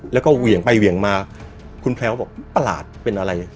แล้วก็เหวี่ยงไปเหวี่ยงมาคุณแพลวก็บอกประหลาดเป็นอะไร